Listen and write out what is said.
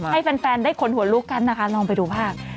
ให้แฟนได้ขนหัวลุกกันนะคะลองไปดูภาพ